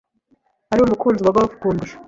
Ari umukunzi wa golf kundusha.